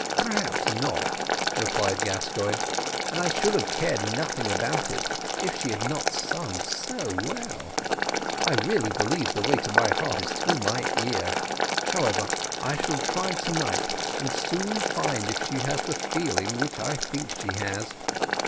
"Perhaps not," replied Gascoigne; "and I should have cared nothing about it, if she had not sung so well. I really believe the way to my heart is through my ear; however, I shall try to night, and soon find if she has the feeling which I think she has.